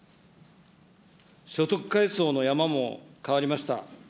所得階層の山も変わりました。